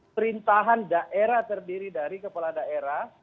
perintahan daerah terdiri dari kepala daerah